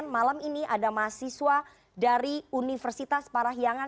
malam ini ada mahasiswa dari universitas parahiangan